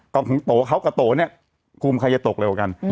ก็คุณโต๋เขากับโต๋เนี่ยคุมใครจะตกเร็วกัน